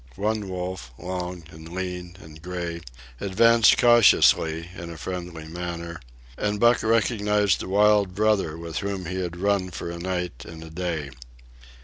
One wolf, long and lean and gray, advanced cautiously, in a friendly manner, and Buck recognized the wild brother with whom he had run for a night and a day.